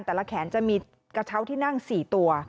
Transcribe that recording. แต่ละแขนจะมีกระเช้าที่นั่ง๔ตัว